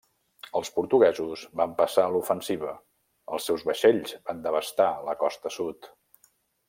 Els portuguesos van passar a l'ofensiva; els seus vaixells van devastar la costa sud.